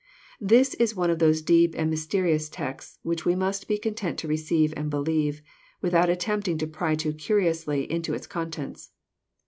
This is one of those deep and mysterious texts which we must be content to receive and believe, without attempting to pry too curiously into its contents.